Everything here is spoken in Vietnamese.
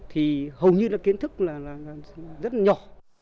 thì hầu như là kiến thức rất là nhỏ